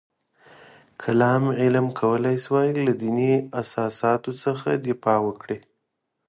کلام علم کولای شول له دیني اساساتو څخه دفاع وکړي.